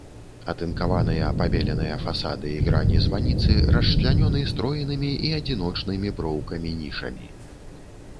Атынкаваныя пабеленыя фасады і грані званіцы расчлянёны строенымі і адзіночнымі броўкамі нішамі.